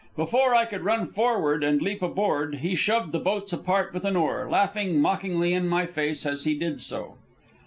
Before I could run forward and leap aboard, he shoved the boats apart with an oar, laughing mockingly in my face as he did so.